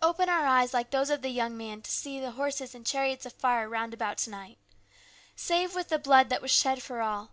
Open our eyes like those of the young man to see the horses and chariots of fire round about to night. Save with the blood that was shed for all.